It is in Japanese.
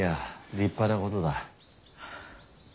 立派なことだ。